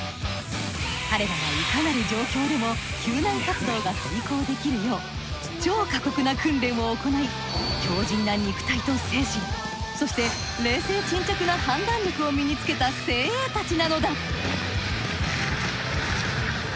彼らはいかなる状況でも救難活動が遂行できるよう超過酷な訓練を行い強靭な肉体と精神そして冷静沈着な判断力を身につけた精鋭たちなのだ。